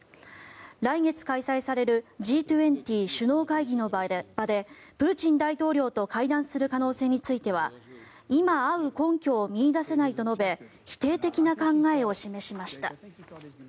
来月開催されるＧ２０首脳会議の場でプーチン大統領と会談する可能性については今会う根拠を見いだせないと述べ否定的な考えを示しました。